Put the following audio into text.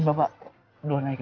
kalau kok nolok